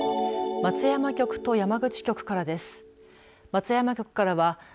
松山局と山口局からです。